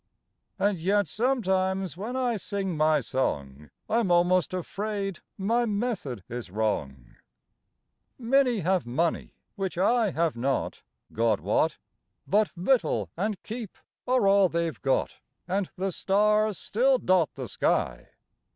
(And yet, sometimes, when I sing my song, I'm almost afraid my method is wrong.) II. Many have money which I have not, God wot! But victual and keep are all they've got, And the stars still dot the sky.